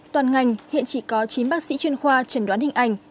toàn ngành hiện chỉ có chín bác sĩ chuyên khoa trần đoán hình ảnh